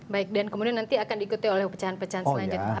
baik dan kemudian nanti akan diikuti oleh pecahan pecahan selanjutnya